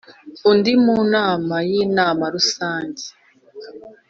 undi mu nama y Inama Rusange